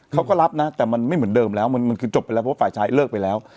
เขาก็รับนะแต่มันไม่เหมือนเดิมแล้วมันคือจบไปแล้วเพราะว่าฝ่ายชายเลิกไปแล้ว